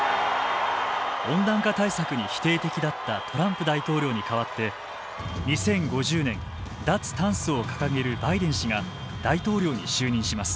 温暖化対策に否定的だったトランプ大統領に代わって２０５０年脱炭素を掲げるバイデン氏が大統領に就任します。